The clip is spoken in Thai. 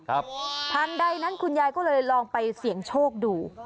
ทางใดนั้นคุณยายก็เลยลองไปเสี่ยงโชคดู